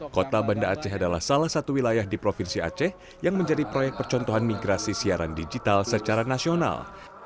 kota banda aceh adalah salah satu wilayah di provinsi aceh yang menjadi proyek percontohan migrasi siaran digital secara nasional